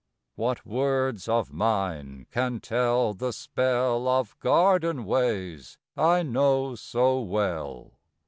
II. What words of mine can tell the spell Of garden ways I know so well?